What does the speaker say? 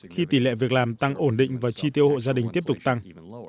khi tỷ lệ việc làm tăng ổn định và chi tiêu hộ gia đình tiếp tục tăng